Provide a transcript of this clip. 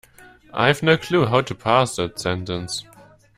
I have no clue how to parse that sentence.